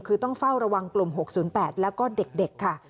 คือต้องเฝ้าระวังกลุ่ม๖๐๘แล้วก็เด็กค่ะ